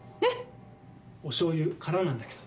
おしょうゆ、空なんだけど。